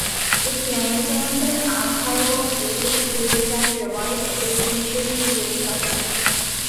It maintains an archive of Irish films and provides education in film culture.